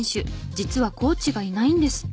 実はコーチがいないんです。